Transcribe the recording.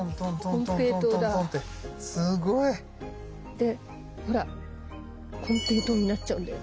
でほら金平糖になっちゃうんだよ。